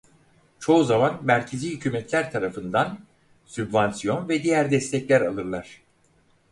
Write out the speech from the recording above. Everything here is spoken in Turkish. Çoğu zaman merkezi hükûmetler tarafından sübvansiyon ve diğer destekler alırlar.